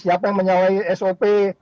siapa yang menyalahi sop